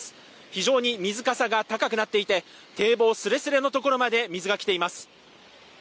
非常に水かさが高くなっていて、堤防すれすれのところまで水がきています。